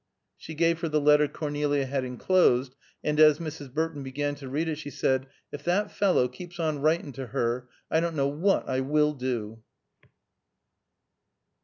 She gave her the letter Cornelia had enclosed, and as Mrs. Burton began to read it she said, "If that fellow keeps on writing to her, I don't know what I will do."